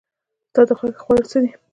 ستا د خوښې خواړه څه دي؟